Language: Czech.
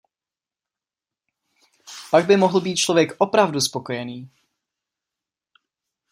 Pak by mohl být člověk opravdu spokojený.